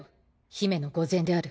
姫の御前である。